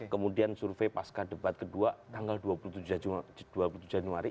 kemudian survei pasca debat kedua tanggal dua puluh tujuh januari